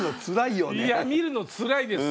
いや見るのつらいです